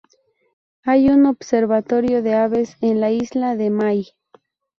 Hay un observatorio de aves en la isla de May.